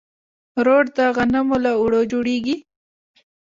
روټ د غنمو له اوړو جوړیږي.